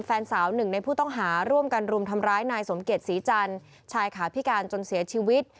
แฟนสาวหนึ่งในผู้ต้องหาร่วมกันรุมทำร้ายนายสมเกียจศรีจันทร์ชายขาพิการจนเสียชีวิต